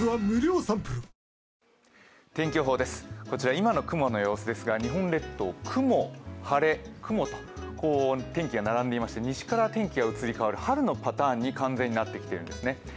こちら今の雲の様子ですが、日本列島、雲、晴れ、雲と天気が並んでいまして、西から天気が移り変わる春のパターンに完全になってきているんですね